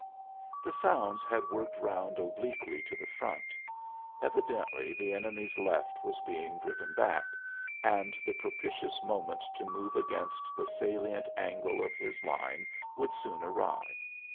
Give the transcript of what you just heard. The sounds had worked round obliquely to the front; evidently the enemy's left was being driven back, and the propitious moment to move against the salient angle of his line would soon arrive.